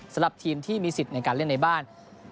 สำหรับทีมที่มีสิทธิ์ในการเล่นในบ้าน